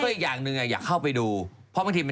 แล้วก็อีกอย่างนึงอยากเข้าไปดู